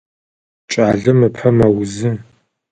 Кӏалэм ыпэ мэузы.